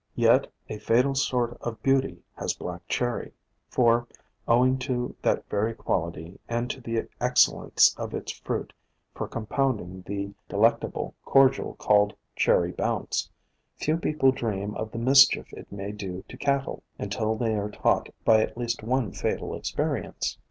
Yet a fatal sort of beauty has Black Cherry, for, owing to that very quality and to the ex cellence of its fruit for compounding the delect 1 84 POISONOUS PLANTS able cordial called Cherry Bounce, few people dream of the mischief it may do to cattle, until they are taught by at least one fatal experience.